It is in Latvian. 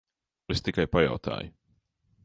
Es tikai pajautāju.